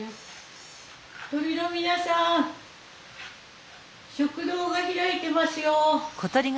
鳥の皆さん食堂が開いてますよ。